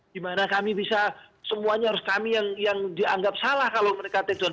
dimana kami bisa semuanya harus kami yang dianggap salah kalau mereka take down